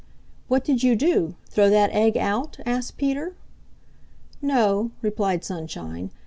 "What did you do, throw that egg out?" asked Peter. "No," replied Sunshine.